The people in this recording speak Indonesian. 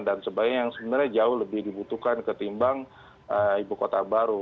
dan sebagian yang sebenarnya jauh lebih dibutuhkan ketimbang ibu kota baru